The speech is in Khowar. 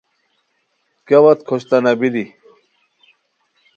کیا وت کھوشتنا بیلی